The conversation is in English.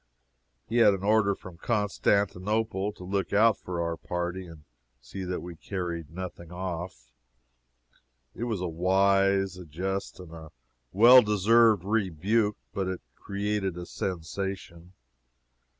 He had an order from Constantinople to look out for our party, and see that we carried nothing off. It was a wise, a just, and a well deserved rebuke, but it created a sensation.